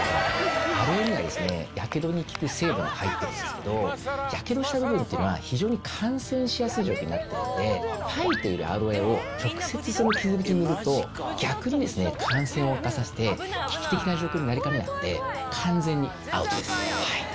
アロエにはやけどに効く成分が入っているんですけど、やけどした部分というのは、非常に感染しやすい状況になってるんで、生えているアロエを直接傷口に塗ると、逆に感染を悪化させて、危機的な状況になりかねなくて、完全にアウトです。